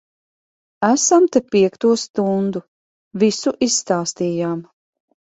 Esam te piekto stundu. Visu izstāstījām.